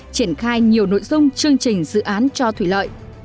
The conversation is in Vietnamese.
triển khai nhiều nội dung chương trình dự án cho thủy lợi